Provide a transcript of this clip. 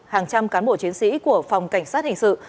hàng trăm cán bộ chiến sĩ của phòng cảnh sát hình sự